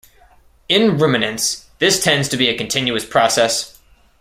In ruminants, this tends to be a continuous process.